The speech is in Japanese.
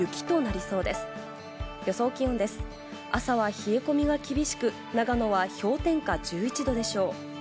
朝は冷え込みが厳しく、長野は氷点下１１度でしょう。